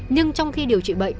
nhưng trong khi điều trị bệnh